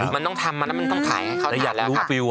มันต้องทำมันต้องขายเข้าถัดแล้วครับ